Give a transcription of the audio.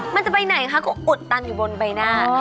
มันจะไปไหนคะก็อุดตันอยู่บนใบหน้า